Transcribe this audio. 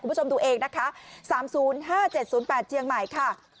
คุณผู้ชมดูเองนะคะ๓๐๕๗๐๘เจียงใหม่ค่ะ